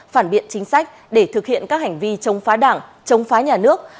phản biện chính sách để thực hiện các hành vi chống phá đảng chống phá nhà nước